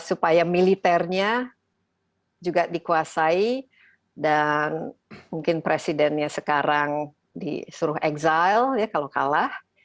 supaya militernya juga dikuasai dan mungkin presidennya sekarang disuruh exile ya kalau kalah